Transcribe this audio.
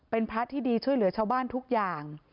เป็นพระที่ดีช่วยเหลือชาวบ้านทุกอย่าง